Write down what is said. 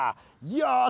よし！